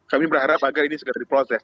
kami berharap agar ini segera diproses